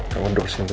kamu duduk sini dulu